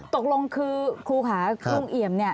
ตกลงคือครูขาลุงเอี่ยมเนี่ย